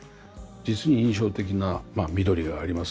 実に印象的な緑があります。